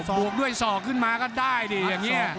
มาบวกด้วยสอกขึ้นมาก็ได้ดี